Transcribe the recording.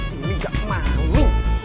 ini gak malu